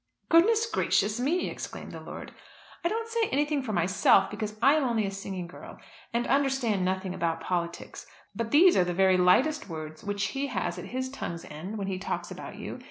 "Goodness gracious me!" exclaimed the lord. "I don't say anything for myself, because I am only a singing girl, and understand nothing about politics. But these are the very lightest words which he has at his tongue's end when he talks about you.